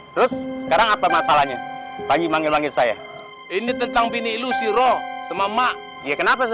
terus sekarang apa masalahnya lagi manggil manggil saya ini tentang bini lu siro sama mak dia kenapa